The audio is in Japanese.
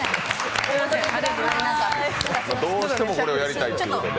どうしてもこれをやりたいというので。